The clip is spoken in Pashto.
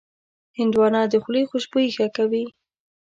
هندوانه د خولې خوشبويي ښه کوي.